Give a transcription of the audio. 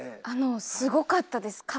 あのすごかったです。